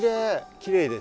きれいですよね。